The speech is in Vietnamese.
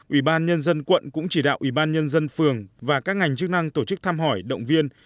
ủy ban nhân dân quận cũng chỉ đạo ủy ban nhân dân phường và các ngành chức năng tổ chức thăm hỏi động viên